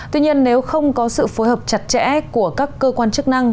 tuy nhiên nếu không có sự phối hợp chặt chẽ của các cơ quan chức năng